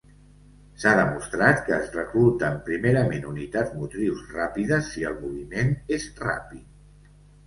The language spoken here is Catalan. S'ha demostrat que es recluten primerament unitats motrius ràpides si el moviment és ràpid.